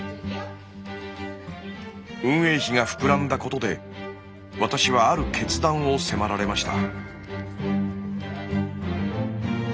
運営費が膨らんだことで私はある決断を迫られました。